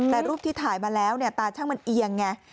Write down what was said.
แต่รูปที่ถ่ายมาแล้วตาช่างมันเอียงไง